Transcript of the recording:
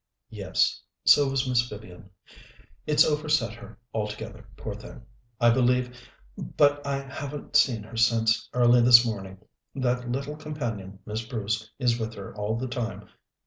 "Yes. So was Miss Vivian. It's overset her altogether, poor thing, I believe; but I haven't seen her since early this morning. That little companion, Miss Bruce, is with her all the time.